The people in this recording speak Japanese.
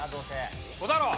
これだろう。